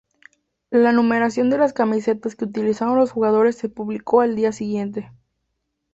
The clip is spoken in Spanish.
La numeración de las camisetas que utilizarán los jugadores se publicó al día siguiente.